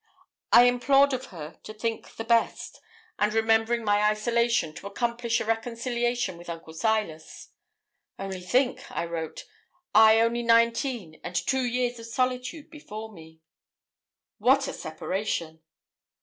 I implored of her to think the best, and remembering my isolation, to accomplish a reconciliation with Uncle Silas. 'Only think,' I wrote, 'I only nineteen, and two years of solitude before me. What a separation!'